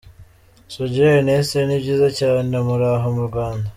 Sugira Ernest: Ni byiza cyane muraho mu Rwanda?.